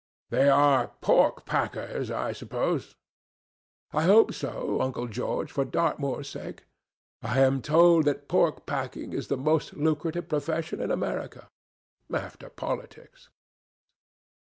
"They are pork packers, I suppose?" "I hope so, Uncle George, for Dartmoor's sake. I am told that pork packing is the most lucrative profession in America, after politics."